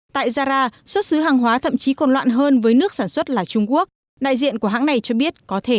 tại zara xuất xứ hàng hóa thậm chí còn loạn hơn với nước sản xuất là trung quốc